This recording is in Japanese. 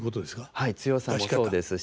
はい強さもそうですし。